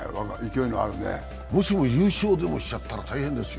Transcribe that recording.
もしも優勝でもしちゃったら大変ですよ。